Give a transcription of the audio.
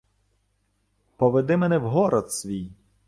— Поведи мене в город свій.